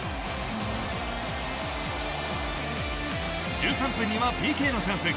１３分にはＰＫのチャンス。